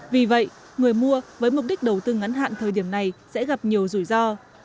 vì vậy người mua với mục đích đầu tư ngắn hạn thời điểm này sẽ gặp nhiều rủi ro